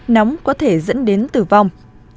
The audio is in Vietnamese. nóng có thể dẫn đến tử vong